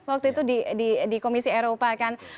waktu itu di komisi eropa kan